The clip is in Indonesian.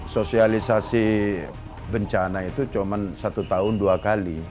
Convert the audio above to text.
sosialisasi bencana itu cuma satu tahun dua kali